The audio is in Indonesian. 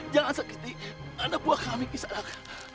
jangan sakiti anak buah kami kisah anak